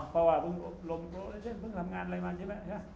เพราะว่าพึ่งทำงานอะไรมาใช่ไหม